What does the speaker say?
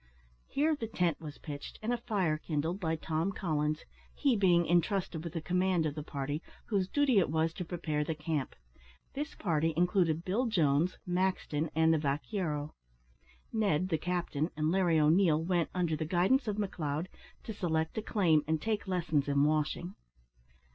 Here the tent was pitched, and a fire kindled by Tom Collins, he being intrusted with the command of the party, whose duty it was to prepare the camp. This party included Bill Jones, Maxton, and the vaquero. Ned, the captain, and Larry O'Neil went, under the guidance of McLeod, to select a claim, and take lessons in washing.